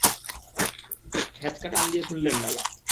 হ্যাঁচকা টান দিয়ে খুললেন ডালা।